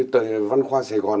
tờ văn khoa sài gòn